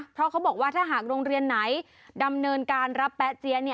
เพราะเขาบอกว่าถ้าหากโรงเรียนไหนดำเนินการรับแป๊เจี๊ย